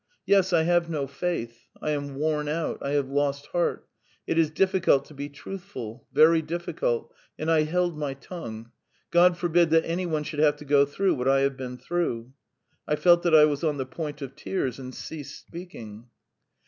"Yes, I have no faith; I am worn out. I have lost heart. ... It is difficult to be truthful very difficult, and I held my tongue. God forbid that any one should have to go through what I have been through." I felt that I was on the point of tears, and ceased speaking.